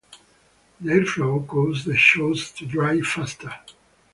The airflow causes the shoes to dry faster.